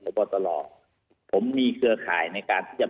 และก็สปอร์ตเรียนว่าคำน่าจะมีการล็อคกรมการสังขัดสปอร์ตเรื่องหน้าในวงการกีฬาประกอบสนับไทย